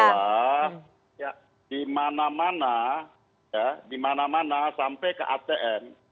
satu satu adalah di mana mana di mana mana sampai ke atn